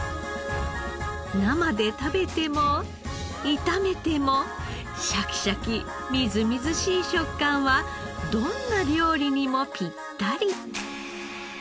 生で食べても炒めてもシャキシャキみずみずしい食感はどんな料理にもピッタリ。